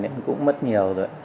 em cũng mất nhiều rồi